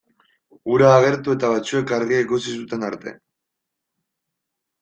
Hura agertu eta batzuek argia ikusi zuten arte.